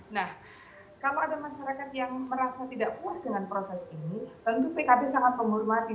nah kalau ada masyarakat yang merasa tidak puas dengan proses ini tentu pkb sangat menghormati